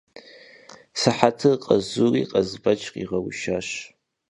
Сыхьэтыр къэзури Къазбэч къигъэушащ.